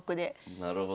なるほど。